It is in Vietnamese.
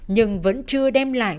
nhưng vẫn chưa đem lại